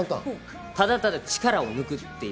ただただ力を抜くという。